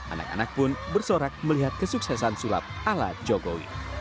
anak anak pun bersorak melihat kesuksesan sulap ala jokowi